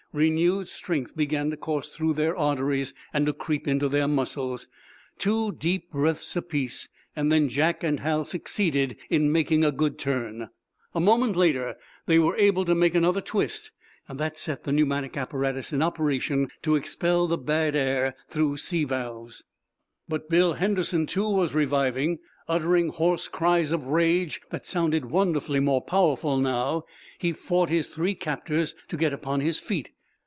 Renewed strength began to course through their arteries and to creep into their muscles. Two deep breaths apiece, and then Jack and Hal succeeded in making a good turn. A moment later they were able to make another twist, that set the pneumatic apparatus in operation to expel the bad air through sea valves. But Bill Henderson, too, was reviving. Uttering hoarse cries of rage that sounded wonderfully more powerful, now, he fought his three captors to get upon his feet.